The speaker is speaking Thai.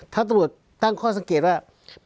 ถ้าตรวจตั้งข้อสังเกตว่า